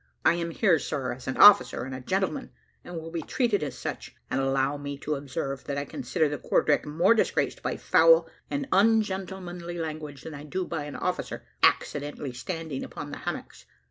I am here, sir, as an officer and a gentleman, and will be treated as such; and allow me to observe, that I consider the quarter deck more disgraced by foul and ungentlemanly language, than I do by an officer accidentally standing upon the hammocks.